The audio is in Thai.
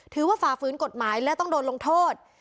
ฝ่าฝืนกฎหมายและต้องโดนลงโทษ